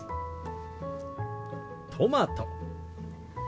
トマト。